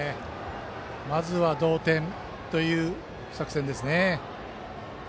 まずは同点という作戦です。